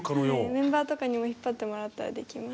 メンバーとかにも引っ張ってもらったらできます。